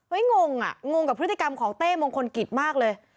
งงอ่ะงงกับพฤติกรรมของเต้มงคลกิจมากเลย